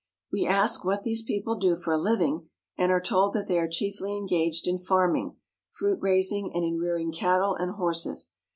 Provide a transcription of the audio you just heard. We ask what these people do for a living and are told that they are chiefly engaged in farming, fruit raising, and in rearing cattle and horses.